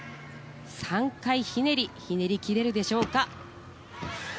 ３回ひねりひねり切れるでしょうか。